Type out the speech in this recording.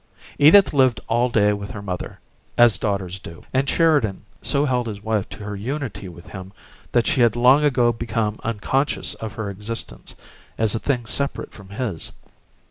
Edith lived all day with her mother, as daughters do; and Sheridan so held his wife to her unity with him that she had long ago become unconscious of her existence as a thing separate from his.